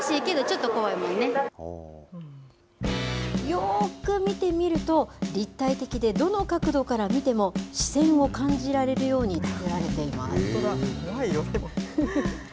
よーく見てみると、立体的でどの角度から見ても視線を感じられるように作られていま本当だ、怖いよ。